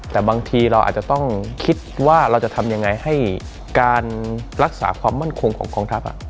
แต่บางทีเราอาจจะต้องคิดว่าเราจะทำยังไงให้การรักษาความมั่นคงของกองทัพ